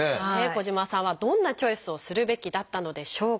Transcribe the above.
小島さんはどんなチョイスをするべきだったのでしょうか？